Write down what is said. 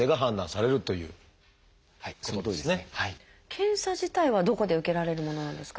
検査自体はどこで受けられるものなんですか？